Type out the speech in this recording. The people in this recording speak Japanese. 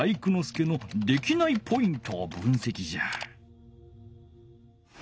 介のできないポイントを分せきじゃ。